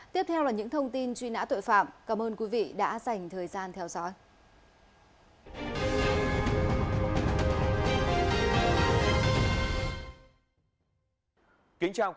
tiếp theo là những thông tin truy nã tội phạm cảm ơn quý vị đã dành thời gian theo dõi